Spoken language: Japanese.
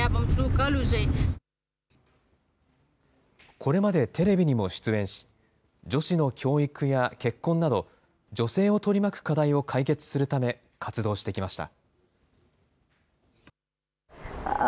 これまでテレビにも出演し、女子の教育や結婚など、女性を取り巻く課題を解決するため活動してきました。